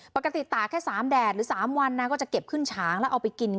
ปกติตากแค่๓แดดหรือ๓วันนะก็จะเก็บขึ้นฉางแล้วเอาไปกิน